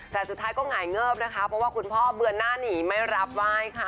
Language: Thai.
แต่สุดท้ายก็หงายเงิบนะคะเพราะว่าคุณพ่อเบือนหน้าหนีไม่รับไหว้ค่ะ